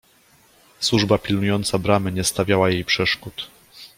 Służba pilnująca bramy nie stawiała jej przeszkód.